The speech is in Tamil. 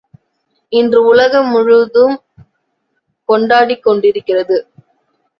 இன்று உலகம் முழுதும் கொண்டாடிக் கொண்டிருக்கிறது.